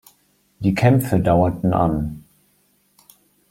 Die Kämpfe dauerten an.